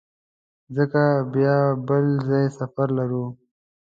ځکه بیا بل ځای سفر لرو.